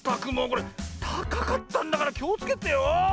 これたかかったんだからきをつけてよ。